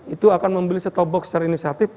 itu akan membeli setop box secara inisiatif